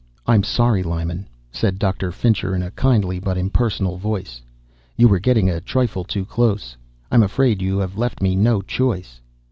"I'm sorry, Lyman," said Dr. Fincher in a kindly but impersonal voice. "You were getting a trifle too close. I'm afraid you have left me no choice."